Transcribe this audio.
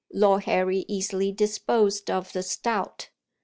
Lord Harry easily disposed of this doubt.